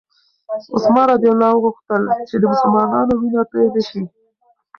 عثمان رض غوښتل چې د مسلمانانو وینه توی نه شي.